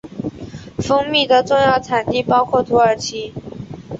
蜂蜜的重要产地包括土耳其。